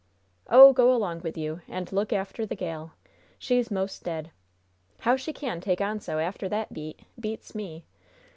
"Oh, go along with you and look after the gal! She's 'most dead! How she can take on so after that beat beats me!